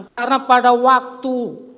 karena pada waktu